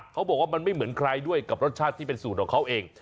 เขาบอกว่ามันไม่เหมือนใครด้วยกับรสชาติที่เป็นสูตรของเขาเอง